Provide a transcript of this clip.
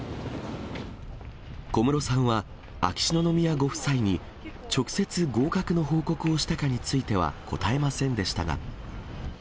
小室さんは秋篠宮ご夫妻に、直接、合格の報告をしたかについては答えませんでしたが。